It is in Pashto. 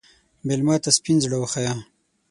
مېلمه ته سپین زړه وښیه.